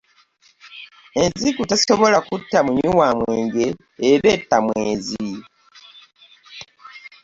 Enziku tesobola kutta munywi wa mwenge, era etta mwenzi.